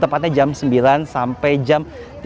tepatnya jam sembilan sampai jam tiga